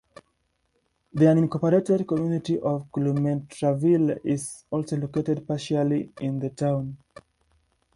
The unincorporated community of Calumetville is also located partially in the town.